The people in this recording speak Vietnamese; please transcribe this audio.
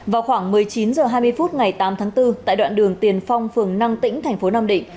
vào khoảng một mươi chín h hai mươi phút ngày tám tháng bốn tại đoạn đường tiền phong phường năng tĩnh thành phố nam định